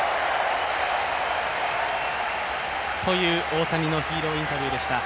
という大谷のヒーローインタビューでした。